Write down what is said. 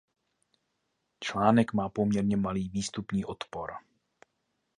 Článek má poměrně malý výstupní odpor.